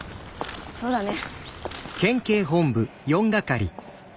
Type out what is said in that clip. そうだね。